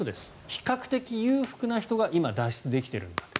比較的裕福な人が今、脱出できているんだ。